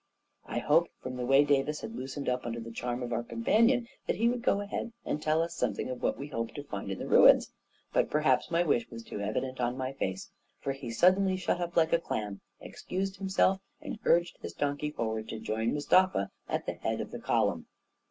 I hoped from the way Davis had loosened up under the charm of our companion that he would go ahead and tell us something of what he hoped to find in the ruins; but perhaps my wish was too evident in my face, for he suddenly shut up like a clam, ex cused himself and urged his donkey forward to join 132 A KING IN BABYLON Mustafa at the head of the column.